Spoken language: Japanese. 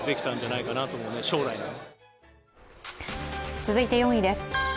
続いて４位です。